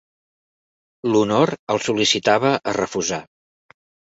L'honor el sol·licitava a refusar.